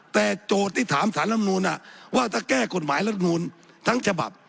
แต่โจทย์ที่ถามสารลำนูนว่าถ้าแก้กฎหมายรัฐมนูลทั้งฉบับ